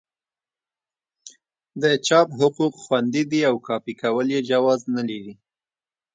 د چاپ حقوق خوندي دي او کاپي کول یې جواز نه لري.